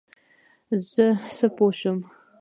زه څه پوه شم ؟